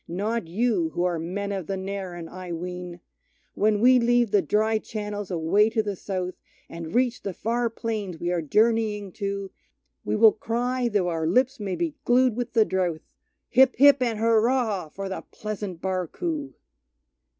Not you, who are men of the Narran, I ween! When we leave the dry channels away to the south, And reach the far plains we are journeying to, We will cry, though our lips may be glued with the drouth, Hip, hip, and hurrah for the pleasant Barcoo!